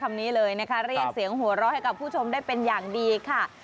คำนี้เลยนะคะเรียกเสียงหัวเราะให้กับผู้ชมได้เป็นอย่างดีค่ะ